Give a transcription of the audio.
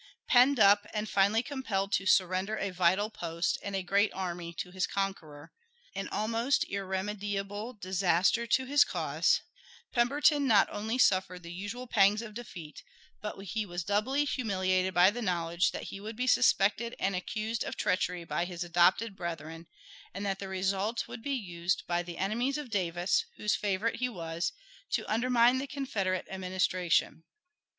Penned up and finally compelled to surrender a vital post and a great army to his conqueror, an almost irremediable disaster to his cause, Pemberton not only suffered the usual pangs of defeat, but he was doubly humiliated by the knowledge that he would be suspected and accused of treachery by his adopted brethren, and that the result would be used by the enemies of Davis, whose favorite he was, to undermine the Confederate administration.